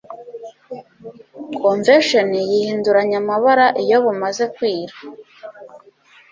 komvesheni yihinduranya amabara iyo bumaze kwira!